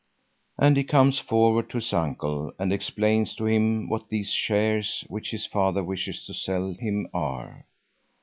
And he comes forward to his uncle and explains to him what these shares which his father wishes to sell him are.